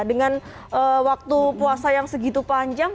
dengan waktu puasa yang segitu panjang